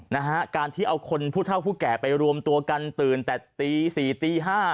นะฮะการที่เอาคนผู้เท่าผู้แก่ไปรวมตัวกันตื่นแต่ตีสี่ตีห้า